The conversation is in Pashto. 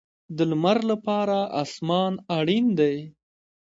د لمر لپاره اسمان اړین دی